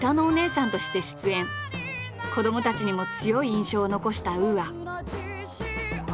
子どもたちにも強い印象を残したＵＡ。